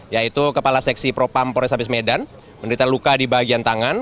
yaitu kepala seksi propam pores habis medan menderita luka di bagian tangan